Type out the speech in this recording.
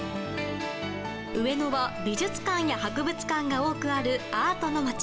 上野は美術館や博物館が多くあるアートの町。